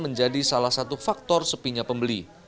ini adalah salah satu faktor sepinya pembeli